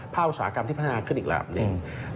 อุตสาหกรรมที่พัฒนาขึ้นอีกระดับหนึ่ง